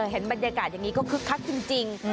เห็นบรรยากาศอย่างนี้ก็คึกคักจริง